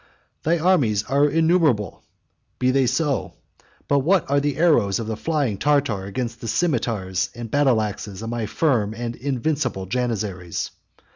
"Thy armies are innumerable: be they so; but what are the arrows of the flying Tartar against the cimeters and battle axes of my firm and invincible Janizaries?